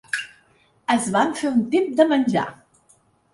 Es van fer un tip de menjar